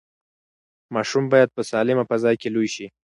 ماشومان باید په سالمه فضا کې لوی شي.